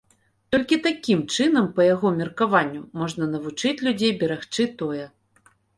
Толькі такім чынам, па яго меркаванню, можна навучыць людзей берагчы тое.